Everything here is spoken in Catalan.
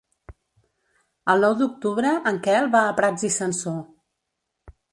El nou d'octubre en Quel va a Prats i Sansor.